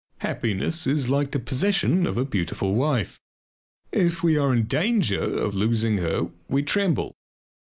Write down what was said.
Happiness is like the possession of a beautiful wife. If we are in danger of losing her we tremble.